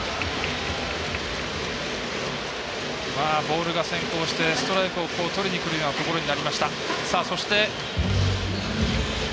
ボールが先行してストライクをとりにくるところになりました。